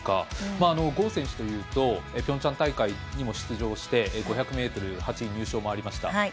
郷選手というとピョンチャン大会にも出場して５００ｍ８位入賞もありました。